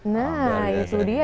nah itu dia